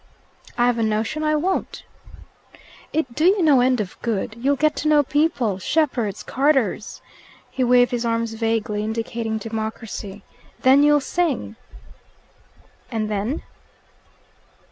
"I've a notion I won't." "It'd do you no end of good. You'll get to know people shepherds, carters " He waved his arms vaguely, indicating democracy. "Then you'll sing." "And then?"